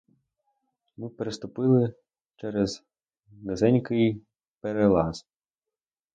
Ми переступили через низенький перелаз.